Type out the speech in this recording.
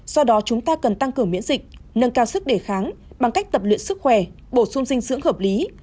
do đó chúng ta cần tăng cường miễn dịch nâng cao sức đề kháng bằng cách tập luyện sức khỏe bổ sung dinh dưỡng hợp lý